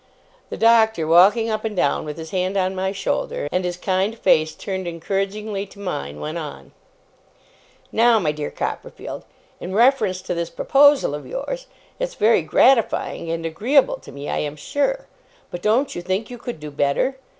The Doctor, walking up and down with his hand on my shoulder, and his kind face turned encouragingly to mine, went on: 'Now, my dear Copperfield, in reference to this proposal of yours. It's very gratifying and agreeable to me, I am sure; but don't you think you could do better?